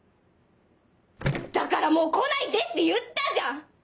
だからもう来ないでって言ったじゃん！